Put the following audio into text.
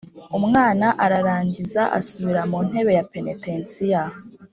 umwana ararangiza asubira mu ntebe ya penetensiya.